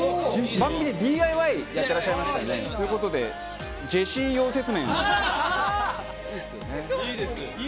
番組でＤＩＹやってらっしゃいましたよね、ということで、ジェシー溶接面。